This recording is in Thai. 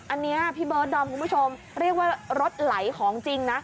อันนี้พี่เบิร์ดดอมคุณผู้ชมเรียกว่ารถไหลของจริงนะ